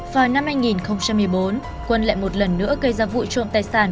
vào năm hai nghìn một mươi bốn quân lại một lần nữa gây ra vụ trộm tài sản